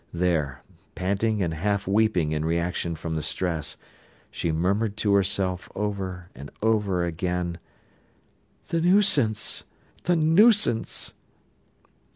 There, panting and half weeping in reaction from the stress, she murmured to herself over and over again: "The nuisance! the nuisance!"